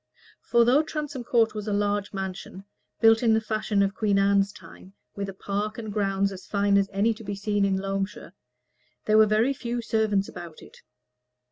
For though Transome Court was a large mansion, built in the fashion of Queen Anne's time, with a park and grounds as fine as any to be seen in Loamshire, there were very few servants about it.